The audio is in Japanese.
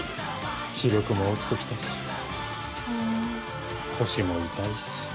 視力も落ちてきたし腰も痛いし。